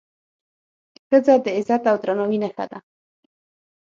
ښځه د عزت او درناوي نښه ده.